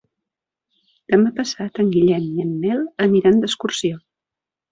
Demà passat en Guillem i en Nel aniran d'excursió.